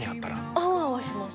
アワアワします